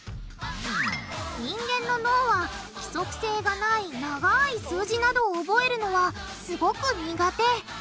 人間の脳は規則性がない長い数字などを覚えるのはすごく苦手。